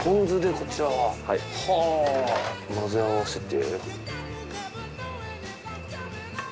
はぁ混ぜ合わせて。